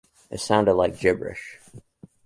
It sounded like gibberish.